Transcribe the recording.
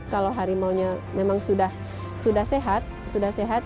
kalau harimau nya memang sudah sehat